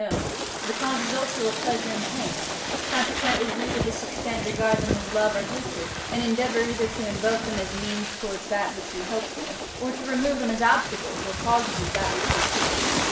note) the causes also of pleasure and pain; consequently we, to this extent, regard them with love or hatred, and endeavour either to invoke them as means towards that which we hope for, or to remove them as obstacles, or causes of that which we fear.